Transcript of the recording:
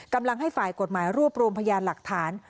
กำลังให้ฝ่ายกฎหมายรวบรวมพยานหลักฐาน